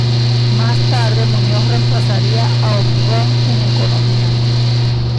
Más tarde, Muñoz reemplazaría a Obregón en Economía.